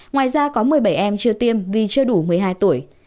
ngoài ra có một mươi bảy em chưa tiêm vì chưa đủ một mươi hai tuổi